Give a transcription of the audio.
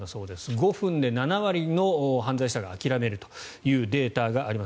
５分で７割の犯罪者が諦めるというデータがあります。